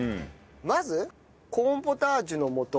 まずコーンポタージュのもと。